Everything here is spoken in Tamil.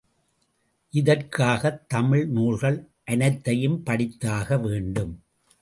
இதற்காகத் தமிழ் நூல்கள் அனைத்தையும் படித்தாக வேண்டும்.